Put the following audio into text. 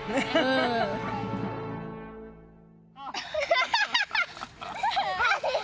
ハハハハ。